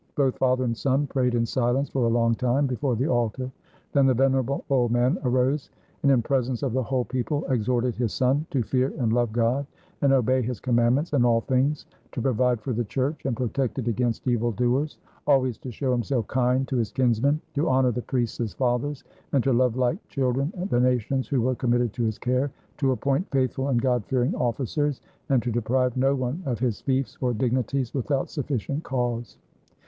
Both father and son prayed in silence for a long time before the altar. Then the venerable old man arose, and in presence of the whole people exhorted his son "to fear and love God, and obey His commandments in all things, to provide for the Church and protect it against evil doers, always to show himself kind to his kinsmen, to honor the priests as fathers, and to love like children the nations who were committed to his care, to appoint faithful and God fearing officers, and to deprive no one of his fiefs or dignities without sufficient cause."